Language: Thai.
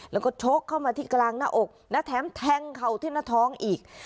แล้วก็ชกเข้ามาที่กลางหน้าอกและแถมแทงเขาที่หน้าท้องอีก